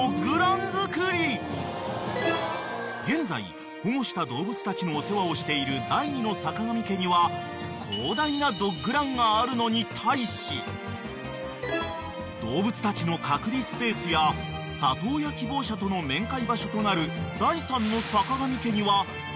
［現在保護した動物たちのお世話をしている第２のさかがみ家には広大なドッグランがあるのに対し動物たちの隔離スペースや里親希望者との面会場所となる第３の坂上家には］